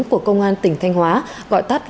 của công an tỉnh thanh hóa